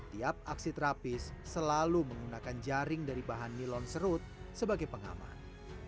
tiap aksi terapis selalu menggunakan jaring dari bahan nilon serut sebagai pengaman